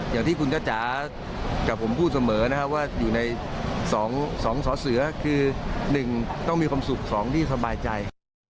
อย่างที่คุณจ้าจ๋ากับผมพูดเสมอนะครับว่าอยู่ใน๒สอเสือคือ๑ต้องมีความสุข๒ที่สบายใจ